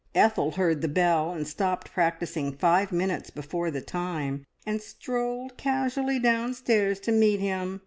Ethel heard the bell, and stopped practising five minutes before the time, and strolled casually downstairs to meet him.